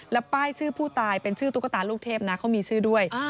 แล้วป้ายชื่อผู้ตายเป็นชื่อตุ๊กตาลูกเทพนะเขามีชื่อด้วย